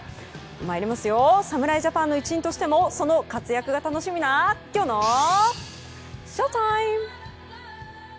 参りますよ侍ジャパンの一員としてもその活躍が楽しみなきょうのＳＨＯＴＩＭＥ！